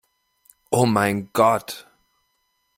Oh mein Gott!